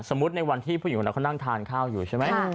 ในวันที่ผู้หญิงคนนั้นเขานั่งทานข้าวอยู่ใช่ไหม